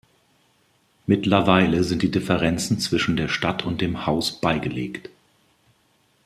Mittlerweile sind die Differenzen zwischen der Stadt und dem Haus beigelegt.